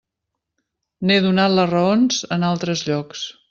N'he donat les raons en altres llocs.